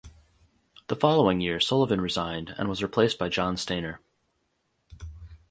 The following year Sullivan resigned, and was replaced by John Stainer.